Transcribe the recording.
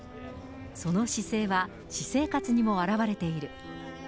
その姿勢は、私生活にも表れている。